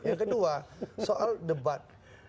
yang kedua soal debat